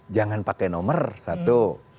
jangan pakai nomor satu